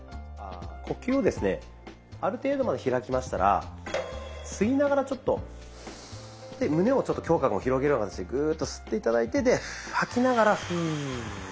呼吸をですねある程度まで開きましたら吸いながらちょっと胸をちょっと胸郭も広げるような形でグーッと吸って頂いて吐きながらフーゆっくり。